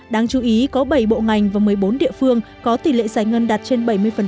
đáng chú ý có bảy bộ ngành và một mươi bốn địa phương có tỷ lệ giải ngân đạt trên bảy mươi